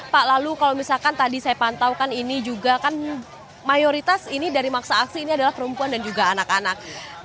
pak lalu kalau misalkan tadi saya pantaukan ini juga kan mayoritas ini dari maksa aksi ini adalah perempuan dan juga anak anak